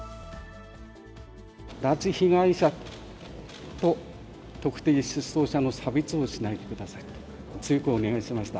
拉致被害者と特定失踪者の差別をしないでくださいと、強くお願いしました。